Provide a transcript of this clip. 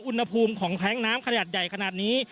อุณหภูมิของแท้งน้ำขนาดใหญ่ขนาดนี้